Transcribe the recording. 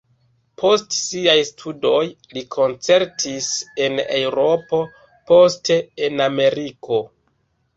Post siaj studoj li koncertis en Eŭropo, poste en Ameriko.